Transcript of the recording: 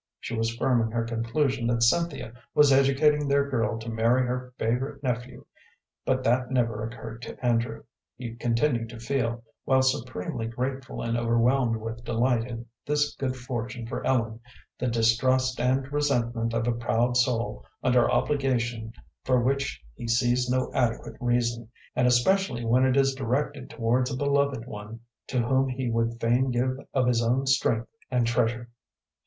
She was firm in her conclusion that Cynthia was educating their girl to marry her favorite nephew, but that never occurred to Andrew. He continued to feel, while supremely grateful and overwhelmed with delight at this good fortune for Ellen, the distrust and resentment of a proud soul under obligation for which he sees no adequate reason, and especially when it is directed towards a beloved one to whom he would fain give of his own strength and treasure.